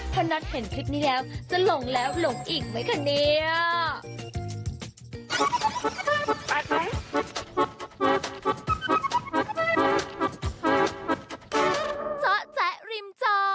ถ้าน็อตเห็นคลิปนี้แล้วจะหลงแล้วหลงอีกไหมคะเนี่ย